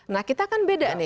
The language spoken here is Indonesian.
nah kita kan beda nih